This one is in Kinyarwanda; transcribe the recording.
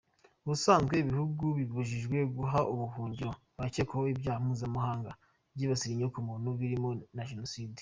Ubusanzwe ibihugu bibujijwe guha ubuhungiro abakekwaho ibyaha mpuzamahanga byibasira inyokomuntu birimo na jenoside.